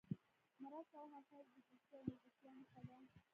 مرسته او همکاري د دوستۍ او ملګرتیا نښه ده.